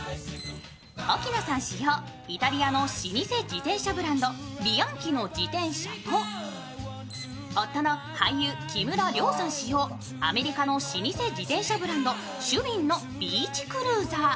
奧菜さん使用、イタリアの老舗ブランド、ビアンキの自転車と夫の俳優・木村了さん使用、アメリカの老舗自転車ブランド、シュウィンのビーチクルーザー。